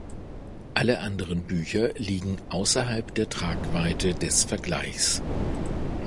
Alle anderen Bücher liegen außerhalb der Tragweite des Vergleichs.